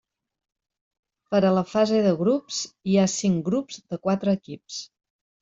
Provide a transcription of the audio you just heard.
Per a la fase de grups hi ha cinc grups de quatre equips.